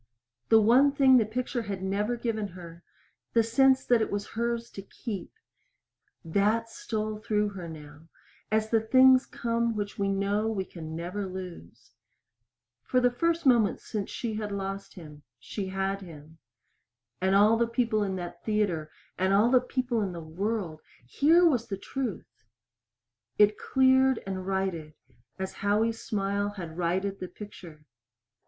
The one thing the picture had never given her the sense that it was hers to keep that stole through her now as the things come which we know we can never lose. For the first moment since she lost him, she had him. And all the people in that theater, and all the people in the world here was the truth! It cleared and righted as Howie's smile had righted the picture.